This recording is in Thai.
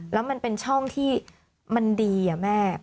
แล้วมันเป็นช่องที่มันดีอะแม่